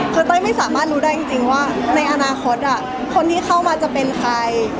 คือเต้ยไม่สามารถรู้ได้จริงว่าในอนาคตคนที่เข้ามาจะเป็นใคร